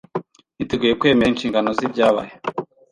Niteguye kwemera inshingano zibyabaye